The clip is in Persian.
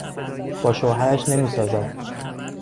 با شوهرش نمیسازد.